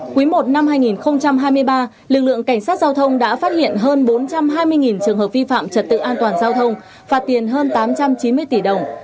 quý i năm hai nghìn hai mươi ba lực lượng cảnh sát giao thông đã phát hiện hơn bốn trăm hai mươi trường hợp vi phạm trật tự an toàn giao thông phạt tiền hơn tám trăm chín mươi tỷ đồng